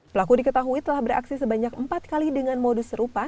pelaku diketahui telah beraksi sebanyak empat kali dengan modus serupa